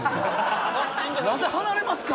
なぜ離れますか。